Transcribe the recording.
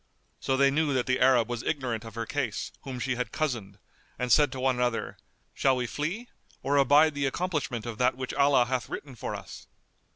So they knew that the Arab was ignorant of her case, whom she had cozened, and said to one another, "Shall we flee or abide the accomplishment of that which Allah hath written for us?"